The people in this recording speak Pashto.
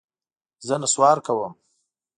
زه نسوار کوم.